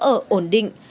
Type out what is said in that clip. ở ổn định